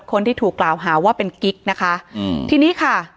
คนที่ถูกกล่าวหาว่าเป็นกิ๊กนะคะอืมทีนี้ค่ะ